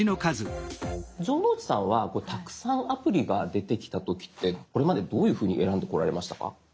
城之内さんはたくさんアプリが出てきた時ってこれまでどういうふうに選んでこられましたか？